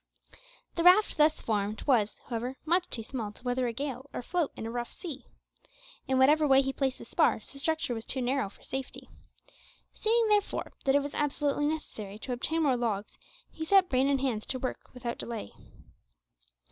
The raft thus formed was, however, much too small to weather a gale or float in a rough sea. In whatever way he placed the spars the structure was too narrow for safety. Seeing, therefore, that it was absolutely necessary to obtain more logs, he set brain and hands to work without delay.